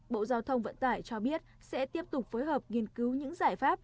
bộ giao thông vận tải cho biết sẽ tiếp tục phối hợp nghiên cứu những giải pháp